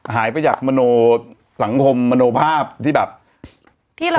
หายไปจากมโนสังคมมโนภาพที่แบบที่เรา